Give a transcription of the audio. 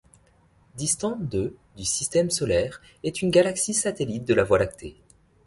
Distante de du système solaire, est une galaxie satellite de la Voie lactée.